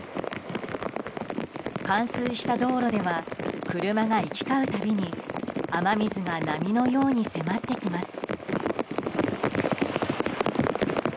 冠水した道路では車が行き交う度に雨水が波のように迫ってきます。